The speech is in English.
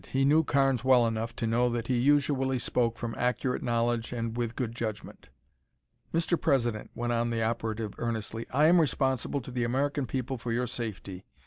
He knew Carnes well enough to know that he usually spoke from accurate knowledge and with good judgment. "Mr. President," went on the operative earnestly, "I am responsible to the American people for your safety.